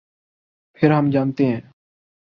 پھر ہم جانتے ہیں۔